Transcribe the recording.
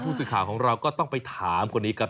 สื่อข่าวของเราก็ต้องไปถามคนนี้ครับ